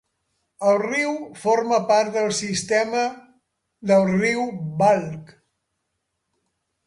El riu forma part del sistema del riu Balkh.